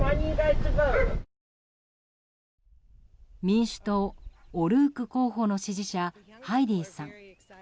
民主党オルーク候補の支持者ハイディーさん。